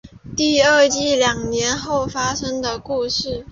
第二季两年后发生的故事。